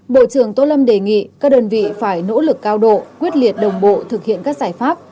bộ trưởng tô lâm đề nghị các đơn vị phải nỗ lực cao độ quyết liệt đồng bộ thực hiện các giải pháp